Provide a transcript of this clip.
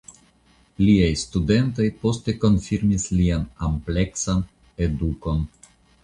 Liaj studentoj poste konfirmis lian ampleksan edukon.